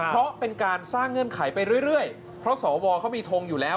เพราะเป็นการสร้างเงื่อนไขไปเรื่อยเพราะสวเขามีทงอยู่แล้ว